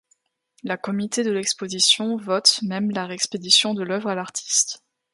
Le Comité de l’Exposition vote même la réexpédition de l’œuvre à l’artiste.